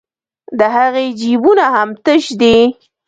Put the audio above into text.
د هغې جېبونه هم تش دي